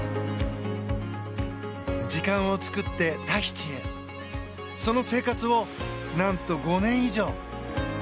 時間を作ってタヒチへその生活を何と５年以上。